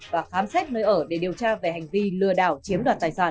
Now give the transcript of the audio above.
và khám xét nơi ở để điều tra về hành vi lừa đảo chiếm đoạt tài sản